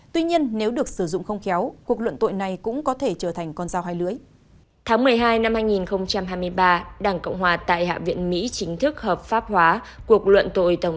tuy nhiên nếu được sử dụng không khéo cuộc luận tội này cũng có thể trở thành một cuộc đua vào nhà trắng